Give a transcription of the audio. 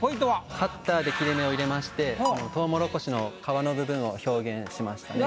カッターで切れ目を入れましてトウモロコシの皮の部分を表現しましたね。